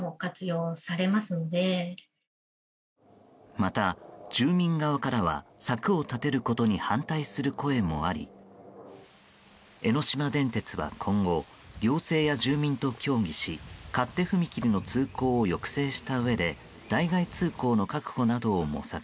また住民側からは柵を立てることに反対する声もあり江ノ島電鉄は、今後行政や住民と協議し勝手踏切の通行を抑制したうえで代替え通行の確保などを模索。